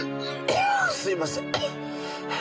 すいません。